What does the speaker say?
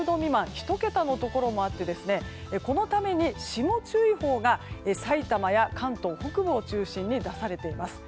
１桁のところもあってこのために、霜注意報が埼玉や関東北部を中心に出されています。